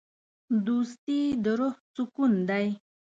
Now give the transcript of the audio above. دوستي د روح سکون دی.